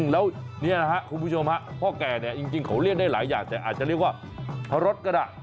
แล้วนี่นะครับคุณผู้ชมฮะพ่อแก่เนี่ยจริงเขาเรียกได้หลายอย่างแต่อาจจะเรียกว่าพระรสก็ได้